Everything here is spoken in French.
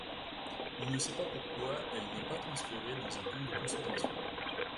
On ne sait pas pourquoi elle n'est pas transférée dans un camp de concentration.